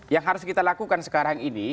yang harus kita lakukan sekarang ini